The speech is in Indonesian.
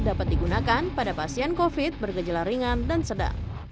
dapat digunakan pada pasien covid bergejala ringan dan sedang